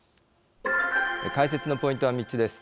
解説のポイントは３つです。